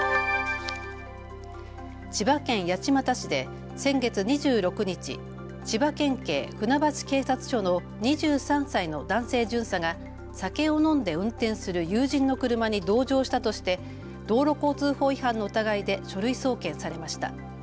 千葉県八街市で先月２６日、千葉県警船橋警察署の２３歳の男性巡査が酒を飲んで運転する友人の車に同乗したとして道路交通法違反の疑いで書類送検されました。